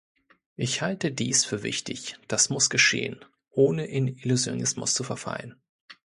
Ich halte dies für wichtig, das muss geschehen, ohne in Illusionismus zu verfallen.